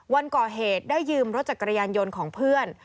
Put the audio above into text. วันก่อเหตุได้ยืมรถจักรยานยนต์ของเพื่อน